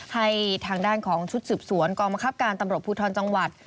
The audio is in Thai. ให้ทางด้านของชุดสืบสวนกองบังคับการตำรวจภูทรจังหวัด